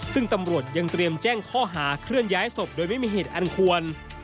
ซึ่งตำรวจยังเตรียมแจ้งข้อหาเคลื่อนย้ายศพโดยไม่มีเหตุอันควร